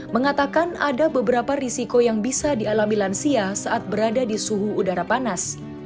mengatakan ada beberapa risiko yang bisa dialami lansia saat berada di suhu udara panas